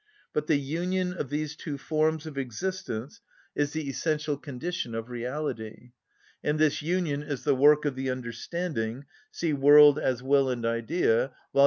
But the union of these two forms of existence is the essential condition of reality, and this union is the work of the understanding (see "World as Will and Idea," vol.